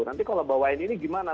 nanti kalau bawain ini gimana